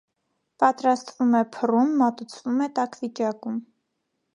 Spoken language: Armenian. Պատրաստվում է փռում, մատուցվում է տաք վիճակում։